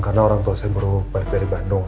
karena orang tua saya baru balik dari bandung